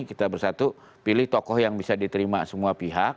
kita bersatu pilih tokoh yang bisa diterima semua pihak